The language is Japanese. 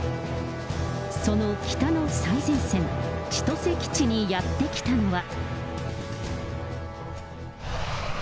その北の最前線、千歳基地にやって来たのは。